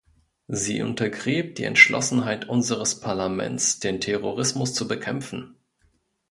Sie untergräbt die Entschlossenheit unseres Parlaments, den Terrorismus zu bekämpfen.